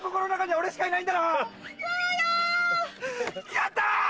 やった！